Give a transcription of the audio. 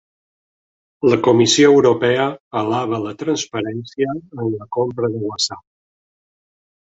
La Comissió Europea alaba la transparència en la compra de WhatsApp